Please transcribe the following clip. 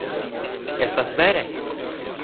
Estas vere.